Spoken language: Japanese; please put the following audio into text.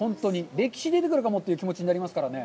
歴史出てくるかもという気持ちになりますからね。